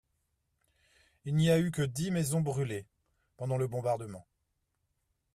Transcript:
Il n'y a eu que dis maisons brûlées pendant le bombardement.